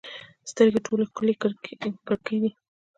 سترګې ټولو ښکلې کړکۍ دي.